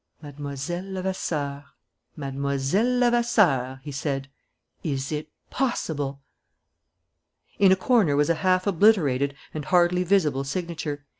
"Mlle. Levasseur, Mlle. Levasseur," he said. "Is it possible!" In a corner was a half obliterated and hardly visible signature.